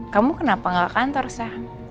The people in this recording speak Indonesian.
kamu kenapa gak kantor sa